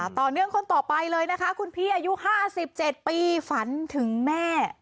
ต่อเนื่องคนต่อไปเลยนะคะคุณพี่อายุ๕๗ปีฝันถึงแม่